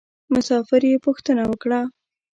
مسافر یې پوښتنه یې وکړه.